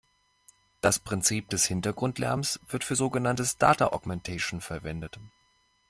Das Prinzip des Hintergrundlärms wird für sogenanntes "Data Augmentation" verwendet.